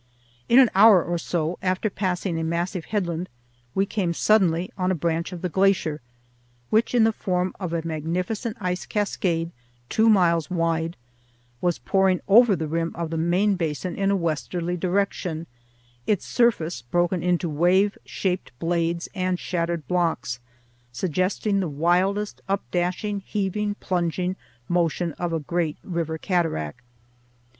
In an hour or so, after passing a massive headland, we came suddenly on a branch of the glacier, which, in the form of a magnificent ice cascade two miles wide, was pouring over the rim of the main basin in a westerly direction, its surface broken into wave shaped blades and shattered blocks, suggesting the wildest updashing, heaving, plunging motion of a great river cataract.